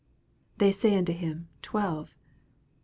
They say unto him, Twelve.